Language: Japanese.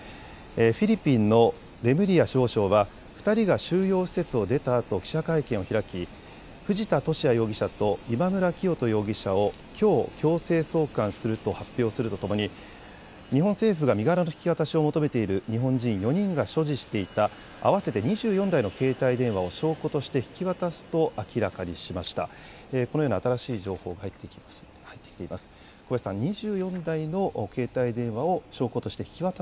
フィリピンのレムリア司法相は２人が収容施設を出たあと記者会見を開き藤田聖也容疑者と今村磨人容疑者をきょう強制送還すると発表するとともに日本政府が身柄の引き渡しを求めている日本人４人が所持していた合わせて２４台の携帯電話を証拠として引き渡すと明らかにしました。